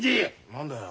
何だよ。